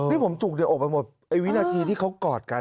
นี่ผมจุกเดี๋ยวอกไปหมดไอ้วินาทีที่เขากอดกัน